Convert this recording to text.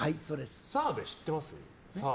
澤部知ってます？